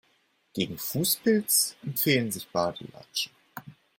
Gegen Fußpilz empfehlen sich Badelatschen.